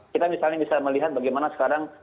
kita misalnya bisa melihat bagaimana sekarang